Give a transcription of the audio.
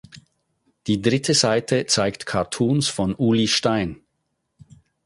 Die dritte Seite zeigt Cartoons von Uli Stein.